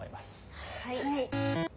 はい。